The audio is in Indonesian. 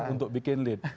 untuk bikin lead